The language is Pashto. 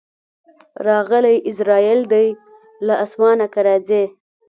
راغلی عزراییل دی له اسمانه که راځې